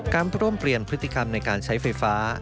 การร่วมเปลี่ยนพฤติกรรมในการใช้ไฟฟ้า